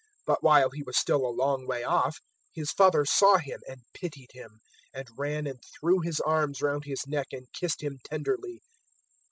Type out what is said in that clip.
But while he was still a long way off, his father saw him and pitied him, and ran and threw his arms round his neck and kissed him tenderly.